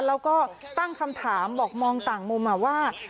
แล้วก็ตั้งคำถามบอกมองต่างมุมว่า